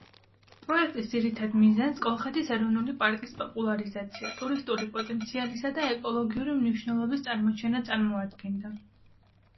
პროექტის ძირითად მიზანს, კოლხეთის ეროვნული პარკის პოპულარიზაცია, ტურისტული პოტენციალისა და ეკოლოგიური მნიშვნელობის წარმოჩენა წარმოადგენდა.